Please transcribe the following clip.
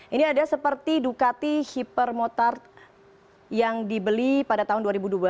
ini ada seperti ducati hypermotard yang dibeli pada tahun dua ribu dua belas